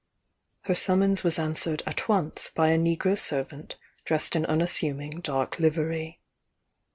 Her summons was answererl at once by a negro servant dressed in unassuming dark livery.